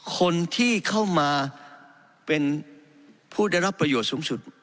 คนที่เข้ามาเป็นผู้ได้รับประโยชน์สูงสุด